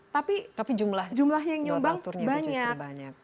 tapi jumlahnya yang nyumbang banyak